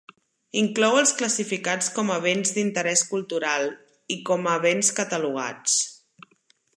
Inclou els classificats com a Béns d'Interès Cultural i com a Béns Catalogats.